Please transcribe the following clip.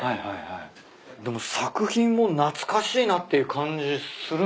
でも作品も懐かしいなっていう感じするんすけどね。